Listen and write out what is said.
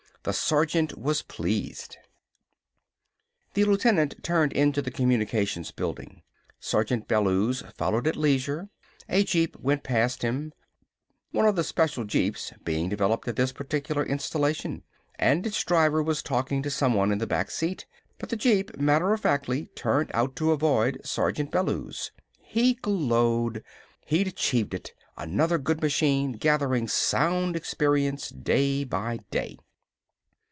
The sergeant was pleased. The lieutenant turned into the Communications building. Sergeant Bellews followed at leisure. A jeep went past him one of the special jeeps being developed at this particular installation and its driver was talking to someone in the back seat, but the jeep matter of factly turned out to avoid Sergeant Bellews. He glowed. He'd activated it. Another good machine, gathering sound experience day by day.